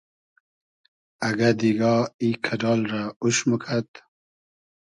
اگۂ دیگا ای کئۮال رۂ اوش موکئد